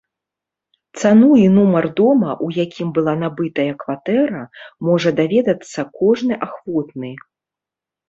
Цану і нумар дома, у якім была набытая кватэра, можа даведацца кожны ахвотны.